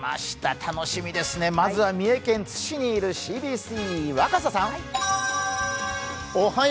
楽しみですね、まずは三重県津市にいるＣＢＣ、若狭さん。